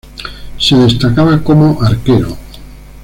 Se destacaba como arquero.